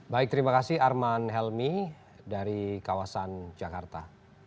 baik terima kasih arman helmi dari kawasan jakarta